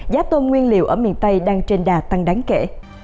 giá tôm nguyên liệu ở miền tây đang trên đà tăng đáng kể